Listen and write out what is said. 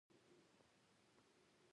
د ملخانو هجوم کرنې ته زیان رسوي